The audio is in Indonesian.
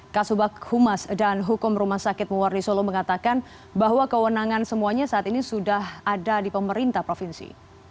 kasubag humas dan hukum rumah sakit muwarni solo mengatakan bahwa kewenangan semuanya saat ini sudah ada di pemerintah provinsi